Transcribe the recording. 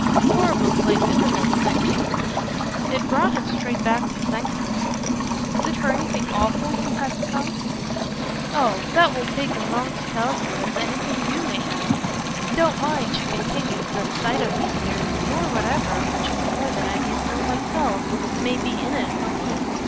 "Horrible place, isn't it?" said Kate. It brought him straight back to his enquiry. "Is it for anything awful you've had to come?" "Oh that will take as long to tell you as anything YOU may have. Don't mind," she continued, "the 'sight of me here,' nor whatever which is more than I yet know myself may be 'in it' for me.